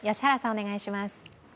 お願いします。